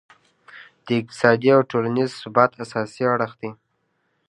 د اقتصادي او ټولینز ثبات اساسي اړخ دی.